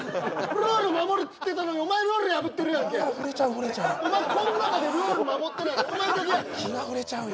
ルール守れっつってたのにお前ルール破ってるやんけああ触れちゃう触れちゃうお前こん中でルール守ってないのお前だけやねん気が触れちゃうよ